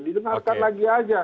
digenarkan lagi aja